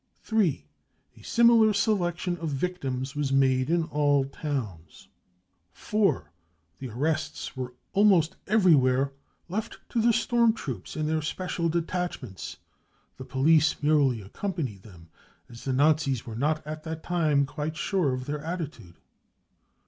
3. A similar selection of victims was made in all towns. 4. The arrests were almost everywhere left to the storm troops and their special detachments. The police merely accompanied them, as the^Nazis were not at that time quite sure of their attitude.